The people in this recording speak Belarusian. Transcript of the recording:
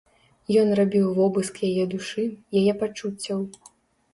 Ён рабіў вобыск яе душы, яе пачуццяў.